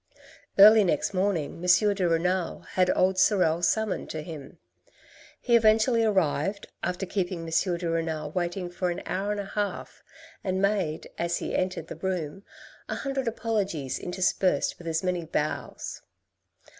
Early next morning, M. de Renal had old Sorel summoned to him. He eventually arrived, after keeping M. de Renal waiting for an hour and a half, and made, as he entered the room, a hundred apologies interspersed with as many bows.